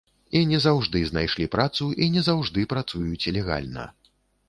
І не заўжды знайшлі працу, і не заўжды працуюць легальна.